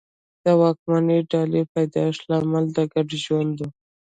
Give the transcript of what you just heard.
د واکمنې ډلې پیدایښت لامل د ګډ ژوند و